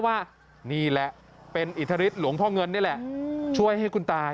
ว่านี่แหละเป็นอิทธิฤทธิหลวงพ่อเงินนี่แหละช่วยให้คุณตา